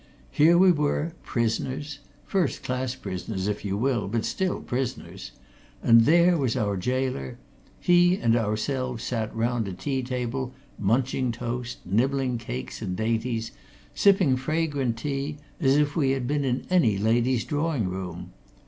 Here we were, prisoners, first class prisoners, if you will, but still prisoners, and there was our gaoler; he and ourselves sat round a tea table, munching toast, nibbling cakes and dainties, sipping fragrant tea, as if we had been in any lady's drawing room.